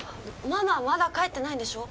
ママまだ帰ってないんでしょ？